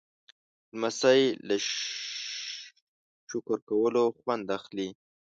لمسی له شکر کولو خوند اخلي.